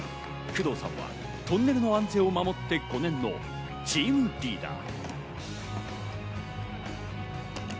工藤さんはトンネルの安全を守って５年のチームリーダー。